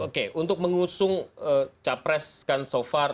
oke untuk mengusung capres kan so far